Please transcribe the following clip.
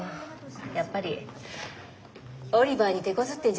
やっぱりオリバーにてこずってんじゃないの？